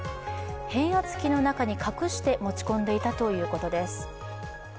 変圧器の中に隠して持ち込んでいたということです。